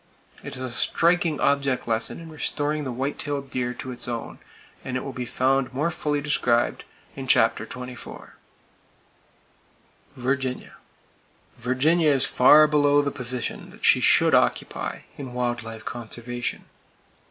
It is a striking object lesson in restoring the white tailed deer to its own, and it will be found more fully described in chapter XXIV. Virginia: Virginia is far below the position that she should occupy in wild life conservation.